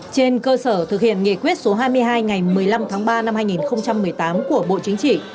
trên cơ sở thực hiện nghị quyết số hai mươi hai ngày một mươi năm tháng ba năm hai nghìn một mươi tám của bộ chính trị